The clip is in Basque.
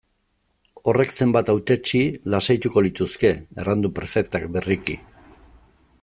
Horrek zenbait hautetsi lasaituko lituzke, erran du prefetak berriki.